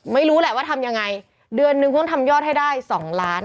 ไม่รู้แหละว่าทำยังไงเดือนนึงต้องทำยอดให้ได้๒ล้าน